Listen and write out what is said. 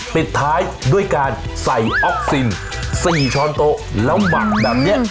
เป็นท้ายด้วยการใส่ออกซินสี่ช้อนโต๊ะแล้วหมาดับเนี้ย